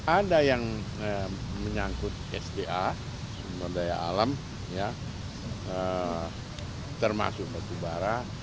ada yang menyangkut sda sumber daya alam termasuk bukubara